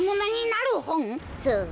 そう。